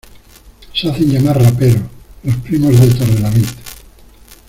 Se hacen llamar raperos, los primos de Torrelavit.